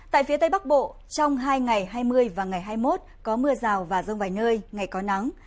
tại phía tây bắc bộ trong hai ngày hai mươi và ngày hai mươi một có mưa rào và rông vài nơi ngày có nắng